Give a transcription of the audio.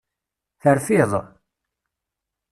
Terfiḍ?